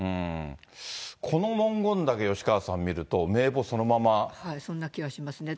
この文言だけ、吉川さん、見ると、名簿そのままそんな気はしますね。